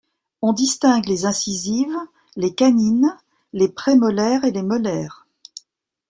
On distingue les incisives, les canines, les prémolaires et les molaires.